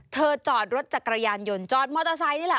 จอดรถจักรยานยนต์จอดมอเตอร์ไซค์นี่แหละ